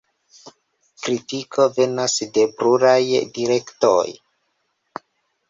Kritiko venas de pluraj direktoj.